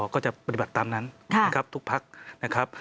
ก็จะปฏิบัติตามนั้นนะครับทุกพักนะครับ